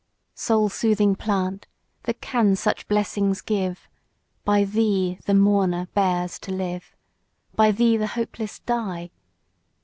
Soul soothing plant! that can such blessings give, By thee the mourner bears to live! By thee the hopeless die!